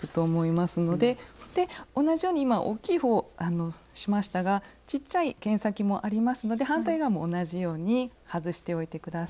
で同じように今おっきい方をしましたがちっちゃい剣先もありますので反対側も同じように外しておいて下さい。